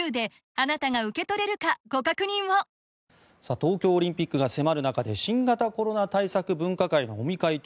東京オリンピックが迫る中で新型コロナ対策分科会の尾身会長